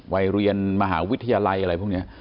วัยเรียนมหาวิทยาลัยอะไรพวกนี้